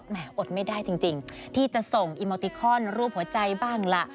หมออดไม่ได้จริงที่จะส่งอิโมติคอนรูปหัวใจบ้างล่ะ